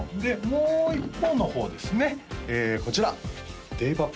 もう一方の方ですねこちら！